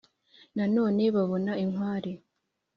nanone babona inkware